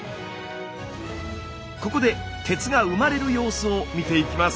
ここで鉄が生まれる様子を見ていきます。